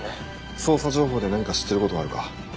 捜査情報で何か知ってることはあるか？